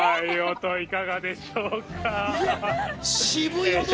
音、いかがでしょうか。